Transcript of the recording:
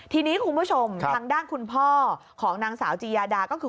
ทีนี้คุณผู้ชมทางด้านคุณพ่อของนางสาวจียาดาก็คือ